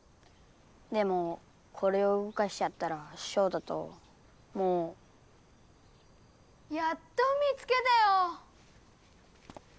でもこれをうごかしちゃったらショウタともう。やっと見つけたよ！